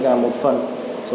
chửi con cháu